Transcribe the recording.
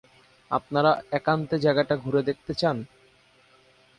আপনারা একান্তে জায়গাটা ঘুরে দেখতে চান?